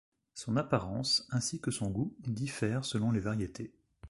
Son apparence, ainsi que son goût, diffèrent selon les variétés.